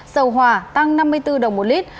dầu hòa tăng năm mươi bốn đồng một lit